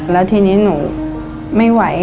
แล้วทีนี้หนูไม่ไหว